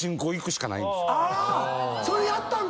それやったんか！